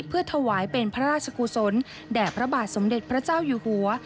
เพื่อถวายเป็นพระราชกุศลแด่พระบาทสมเด็จพระเจ้าอยู่หัว